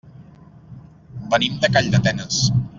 Venim de Calldetenes.